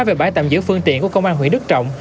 về bãi tạm giữ phương tiện của công an huyện đức trọng